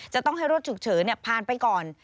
จะต้องให้รถฉุกเฉินผ่านไปก่อน